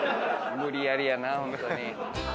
無理やりやなホントに。